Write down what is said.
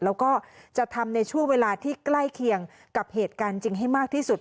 แล้วก็จะทำในช่วงเวลาที่ใกล้เคียงกับเหตุการณ์จริงให้มากที่สุด